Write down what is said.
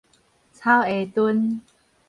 草鞋墩